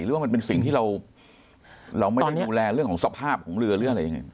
หรือว่ามันเป็นสิ่งที่เราไม่ได้ดูแลเรื่องของสภาพของเรือหรืออะไรยังไง